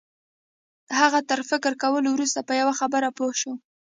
هغه تر فکر کولو وروسته په یوه خبره پوه شو